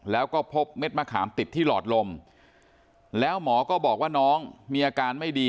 แล้วก็พบเม็ดมะขามติดที่หลอดลมแล้วหมอก็บอกว่าน้องมีอาการไม่ดี